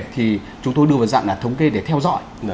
thì chúng tôi đưa vào dạng là thống kê để theo dõi